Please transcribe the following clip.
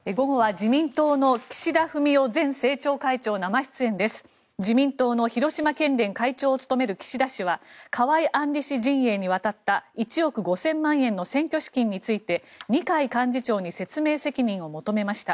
自民党の広島県連会長を務める岸田氏は河井案里氏陣営に渡った１億５０００万円の選挙資金について、二階幹事長に説明責任を求めました。